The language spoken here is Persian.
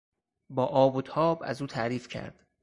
با آب و تاب از او تعریف کرد.